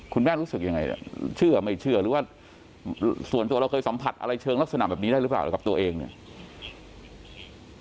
รู้สึกยังไงเชื่อไม่เชื่อหรือว่าส่วนตัวเราเคยสัมผัสอะไรเชิงลักษณะแบบนี้ได้หรือเปล่าอะไรกับตัวเองเนี่ย